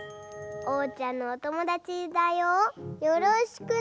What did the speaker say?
おうちゃんのおともだちだよよろしくね。